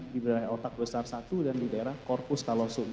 di daerah otak besar satu dan di daerah corpus callosum